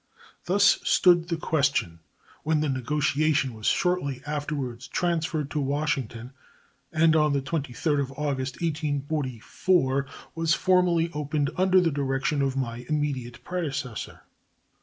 Thus stood the question when the negotiation was shortly afterwards transferred to Washington, and on the 23d of August, 1844, was formally opened under the direction of my immediate predecessor.